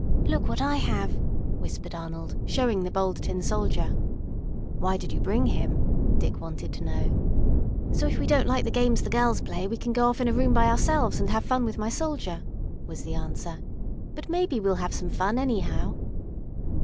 "Look what I have!" whispered Arnold, showing the Bold Tin Soldier. "Why did you bring him?" Dick wanted to know. "So if we don't like the games the girls play we can go off in a room by ourselves and have fun with my Soldier," was the answer. "But maybe we'll have some fun, anyhow."